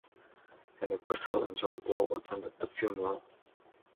Henry Purcell and John Blow attended the funeral.